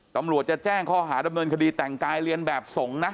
ตำรวจจะแจ้งข้อหาดำเนินคดีแต่งกายเรียนแบบสงฆ์นะ